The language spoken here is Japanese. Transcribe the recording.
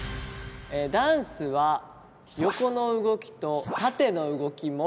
ダンスは横の動きと縦の動きも意識しよう。